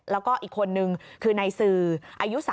แล้วก็อีกคนนึงคือนายซืออายุ๓๒ปีนะคะ